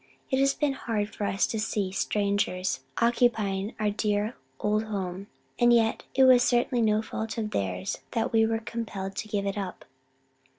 It has been hard for us to see strangers occupying our dear old home; and yet it was certainly no fault of theirs that we were compelled to give it up."